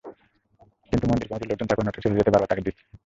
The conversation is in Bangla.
কিন্তু মন্দির কমিটির লোকজন তাঁকে অন্যত্র চলে যেতে বারবার তাগাদা দিচ্ছেন।